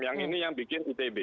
yang ini yang bikin itb